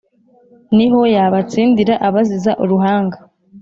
Niho yabatsindira abaziza uruhanga,